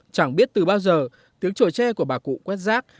chẳng biết từ bao giờ tiếng trổi tre của bà cụ quét rác